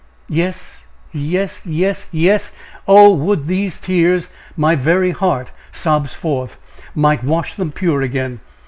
"Yes! yes! yes! yes! Oh! would these tears, my very heart sobs forth, might wash them pure again!